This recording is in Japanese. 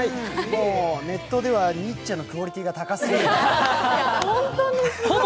ネットではニッチェのクオリティーが高すぎると。